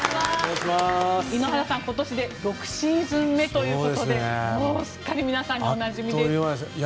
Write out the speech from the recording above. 井ノ原さん、今年で６シーズン目ということですっかり皆さんに。あっという間ですね。